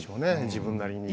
自分なりに。